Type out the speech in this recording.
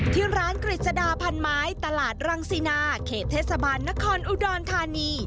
ที่ร้านกฤษดาพันไม้ตลาดรังสินาเขตเทศบาลนครอุดรธานี